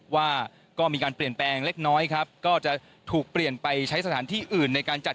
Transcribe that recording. ว่าก็มีการเปลี่ยนแปลงเล็กน้อยครับก็จะถูกเปลี่ยนไปใช้สถานที่อื่นในการจัด